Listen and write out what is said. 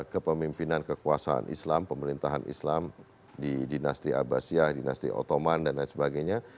kepemimpinan kekuasaan islam pemerintahan islam di dinasti abasyah dinasti otoman dan lain sebagainya